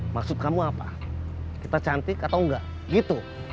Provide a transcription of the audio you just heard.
maksud kamu apa kita cantik atau enggak gitu